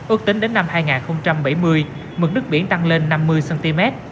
ước tính đến năm hai nghìn bảy mươi mực nước biển tăng lên năm mươi cm